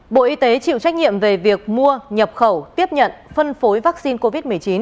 bộ y tế chịu trách nhiệm về việc mua nhập khẩu tiếp nhận phân phối vaccine covid một mươi chín